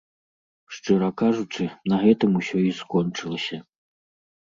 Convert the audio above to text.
Шчыра кажучы, на гэтым усё і скончылася.